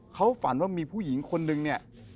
เขาฝันว่ามีผู้หญิงคนนึงเนี่ย